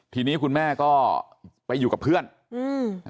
ทีนี้คุณแม่ก็ไปอยู่กับเพื่อนอืม